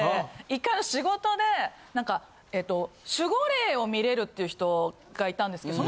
一回仕事で何か守護霊を見れるっていう人がいたんですけど。